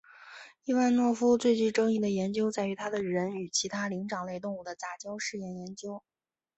伊万诺夫最具争议的研究在于他的人与其他灵长类动物的杂交试验研究。